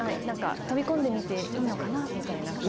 なんか、飛び込んでみていいのかなみたいな。